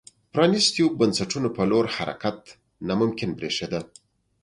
پرانیستو بنسټونو په لور حرکت ناممکن برېښېده.